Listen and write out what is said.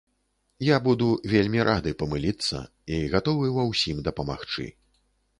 Я буду вельмі рады памыліцца і гатовы ва ўсім дапамагчы.